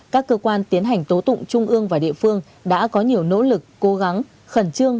các cơ quan tiến hành tố tụng trung ương và địa phương đã có nhiều nỗ lực cố gắng khẩn trương